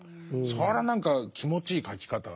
それは何か気持ちいい書き方。